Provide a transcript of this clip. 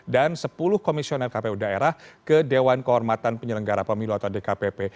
dan sepuluh komisioner kpu daerah ke dewan kehormatan penyelenggara pemilu atau dkpp